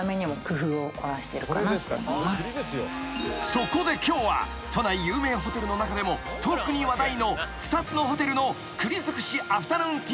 ［そこで今日は都内有名ホテルの中でも特に話題の２つのホテルの］